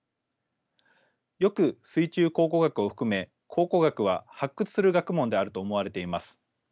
よく水中考古学を含め考古学は発掘する学問であると思われています。